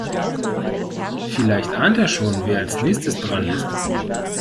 Vielleicht ahnt er schon, wer als nächstes dran ist.